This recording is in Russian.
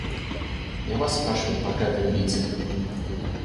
Я вас спрашиваю, проклятые убийцы!